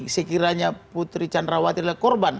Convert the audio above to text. sekiranya putri candrawati adalah korban